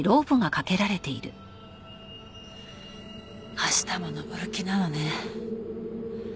明日も登る気なのね。